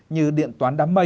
như điện toán đám mây